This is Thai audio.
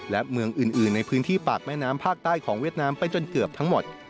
และเมืองอื่นในพื้นที่ปากแม่น้ำภาคใต้ของเวียดนามไปจนเกือบทั้งหมด